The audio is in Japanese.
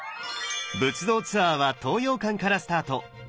仏像ツアーは東洋館からスタート。